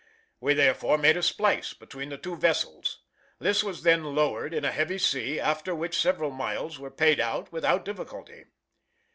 We therefore made a splice between the two vessels. This was then lowered in a heavy sea, after which several miles were paid out without difficulty.